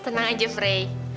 tenang aja fre